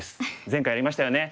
前回やりましたよね。